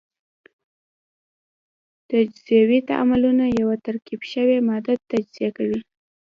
تجزیوي تعاملونه یوه ترکیب شوې ماده تجزیه کوي.